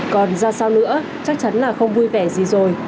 còn ra sao nữa chắc chắn là không vui vẻ gì rồi